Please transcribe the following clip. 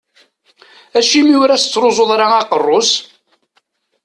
Acimi ur as-tettruẓuḍ ara aqerru-s?